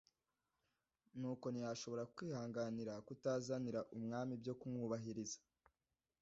nuko ntiyashobora kwihanganira kutazanira Umwami ibyo kumwubahiriza.